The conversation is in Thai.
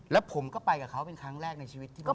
แล้วผมก็ไปกับเขาเป็นครั้งแรกในชีวิตที่แบบ